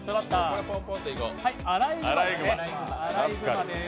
アライグマです。